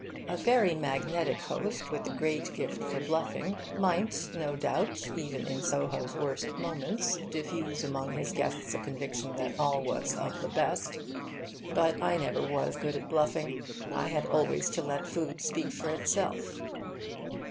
A very magnetic host, with a great gift for bluffing, might, no doubt, even in Soho's worst moments, diffuse among his guests a conviction that all was of the best. But I never was good at bluffing. I had always to let food speak for itself.